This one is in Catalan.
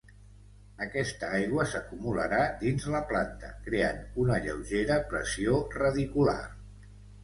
Aquesta aigua s'acumularà dins la planta, creant una lleugera pressió radicular.